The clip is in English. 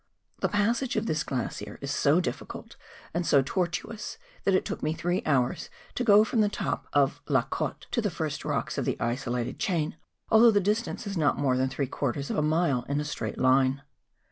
The passage of MONT BLANC. 3 this glacier is so difficult and so tortuous that it took me three hours to go from the top of La Cote to the first rocks of the isolated chain, although the distance is not more than three quarters of a mile in a straight line.